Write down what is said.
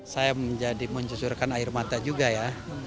saya menjadi mencusurkan air mata juga ya